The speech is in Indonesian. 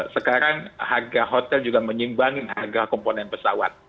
sekarang harga hotel juga menyimbangkan harga komponen pesawat